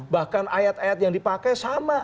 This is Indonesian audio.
bahkan ayat ayat yang dipakai sama